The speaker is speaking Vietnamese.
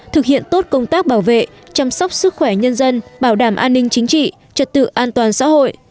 thực hiện tốt công tác bảo vệ chăm sóc sức khỏe nhân dân bảo đảm an ninh chính trị trật tự an toàn xã hội